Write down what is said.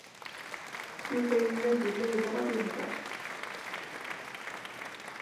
Yuba yenna-d yella yebɣa ad yehder.